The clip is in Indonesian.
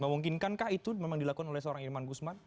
memungkinkankah itu memang dilakukan oleh seorang irman gusman